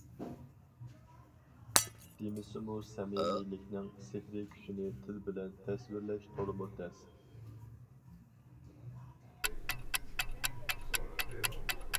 دېمىسىمۇ سەمىمىيلىكنىڭ سېھرى كۈچىنى تىل بىلەن تەسۋىرلەش تولىمۇ تەس.